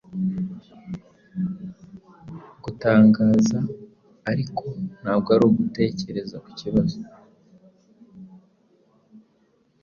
gutangazaariko ntabwo ari ugutekereza ku bibazo